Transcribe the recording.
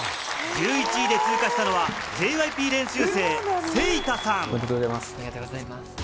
１１位で通過したのはＪＹＰ練習生・セイタさん。